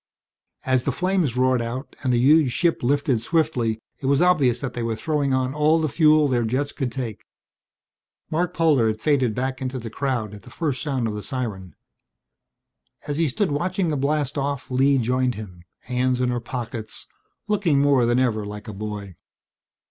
As the flames roared out and the huge ship lifted swiftly it was obvious that they were throwing on all the fuel their jets could take. Marc Polder had faded back into the crowd at the first sound of the siren. As he stood watching the blastoff Lee joined him, hands in her pockets, looking more than ever like a boy.